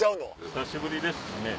久しぶりですしね